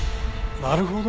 なるほど！